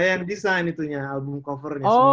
yang desain itunya album covernya